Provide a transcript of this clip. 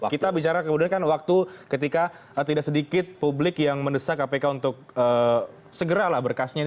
kita bicara kemudian kan waktu ketika tidak sedikit publik yang mendesak kpk untuk segeralah berkasnya ini